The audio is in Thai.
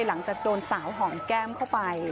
หลังจากโดนสาวหอมแก้มเข้าไป